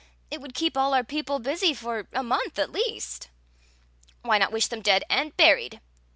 " It would keep all our people busy for a month, at least." "Why not wish them dead and buried?"